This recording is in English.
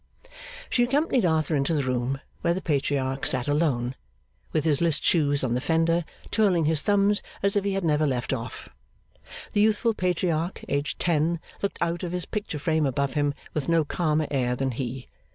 She accompanied Arthur into the room, where the Patriarch sat alone, with his list shoes on the fender, twirling his thumbs as if he had never left off. The youthful Patriarch, aged ten, looked out of his picture frame above him with no calmer air than he.